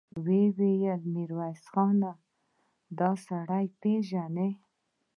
ويې ويل: ميرويس خانه! دآسړی پېژنې؟